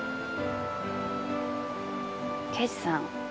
刑事さん。